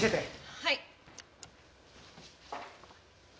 はい。